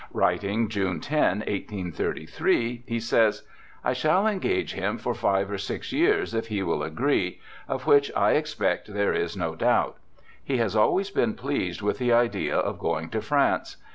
Writing June lo, 1833, he says: 'I shall engage him for five or six years if he will agree, of which I expect there is no doubt. He has always been pleased with the idea of going to France.